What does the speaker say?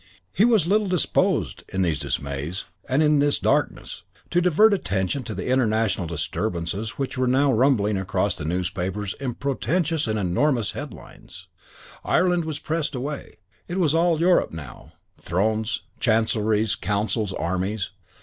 He was little disposed, in these dismays and in this darkness, to divert attention to the international disturbances which now were rumbling across the newspapers in portentous and enormous headlines. Ireland was pressed away. It was all Europe now thrones, chancelleries, councils, armies.